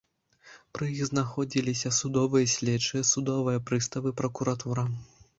Пры іх знаходзіліся судовыя следчыя, судовыя прыставы, пракуратура.